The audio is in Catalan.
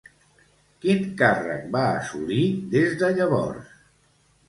Quin càrrec va assolir des de llavors?